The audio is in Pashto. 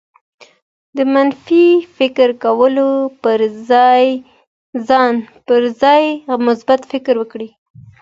د منفي فکر کولو پر ځای مثبت فکر وکړئ.